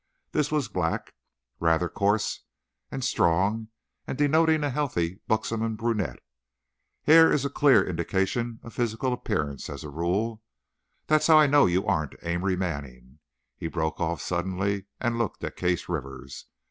This was black, rather coarse, and strong, denoting a healthy, buxom brunette. Hair is a clear indication of physical appearance, as a rule. That's how I know you aren't Amory Manning," he broke off suddenly and looked at Case Rivers.